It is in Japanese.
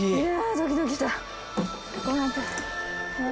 ドキドキした奇跡